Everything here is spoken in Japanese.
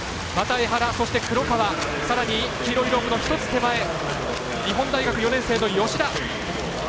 そして黒川、さらに黄色いロープの一つ手前日本大学４年生の吉田。